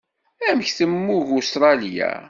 Amek temmug Usetṛalya?